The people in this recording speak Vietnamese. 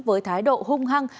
với thái độ hung hăng